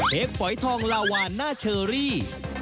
เค้กฝอยทองลาวาหน้าเชอรี่